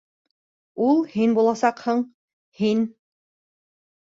— Ул һин буласаҡһың, һин...